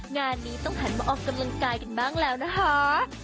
งานนี้ต้องหันมาออกกำลังกายกันบ้างแล้วนะคะ